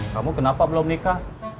kamu kenapa belum nikah